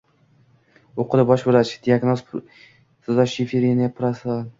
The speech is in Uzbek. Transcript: o‘qidi bosh vrach. Diagnoz: shizofreniya paranoial